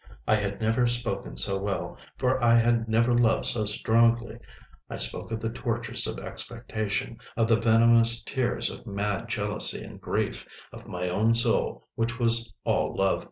I had never spoken so well, for I had never loved so strongly. I spoke of the tortures of expectation, of the venomous tears of mad jealousy and grief, of my own soul which was all love.